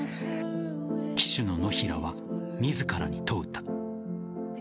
騎手の野平は自らに問うた。